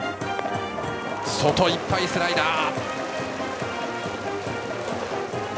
外いっぱい、スライダー。